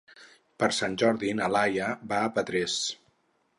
Per Sant Jordi na Laia va a Petrés.